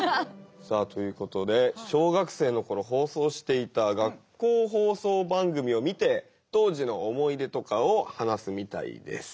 さあということで小学生の頃放送していた学校放送番組を見て当時の思い出とかを話すみたいです。